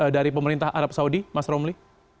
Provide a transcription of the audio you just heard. dari pemerintah arab saudi mas romli